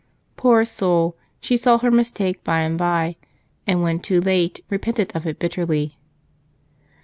Poor soul! She saw her mistake by and by, and when too late repented of it bitterly.